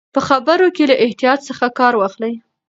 په خبرو کې له احتیاط څخه کار واخلئ.